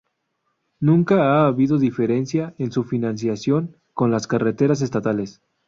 Nunca ha habido diferencia en su financiación con las carreteras estatales.